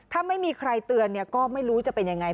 ถ้าไม่มีใครเตือนก็ไม่รู้จะเป็นยังไง